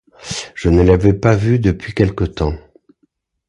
Je ne l’avais pas vu depuis quelque temps.